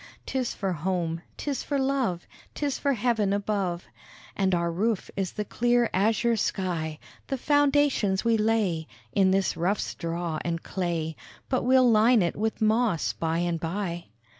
"'Tis for home, 'tis for love, 'Tis for heaven above, And our roof is the clear azure sky; The foundations we lay In this rough straw and clay, But we'll line it with moss by and by."